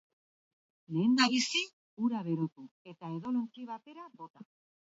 Lehendabizi, ura berotu eta edalontzi batera bota.